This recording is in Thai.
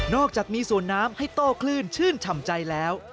อกจากมีสวนน้ำให้โต้คลื่นชื่นฉ่ำใจแล้ว